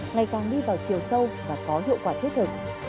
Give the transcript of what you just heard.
ngày càng đi vào chiều sâu và có hiệu quả thiết thực